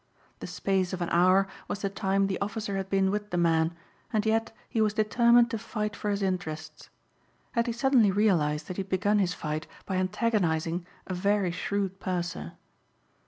The space of an hour was the time the officer had been with the man and yet he was determined to fight for his interests. And he suddenly realized that he had begun his fight by antagonizing a very shrewd purser.